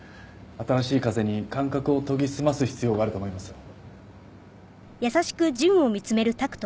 新しい風に感覚を研ぎ澄ます必要があると思いますよ。